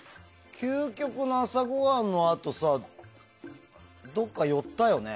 究極の朝ご飯のあとさどっか寄ったよね？